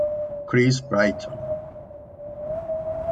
Chris Britton